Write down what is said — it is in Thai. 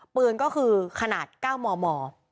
ปืนก็คือขนาด๙มม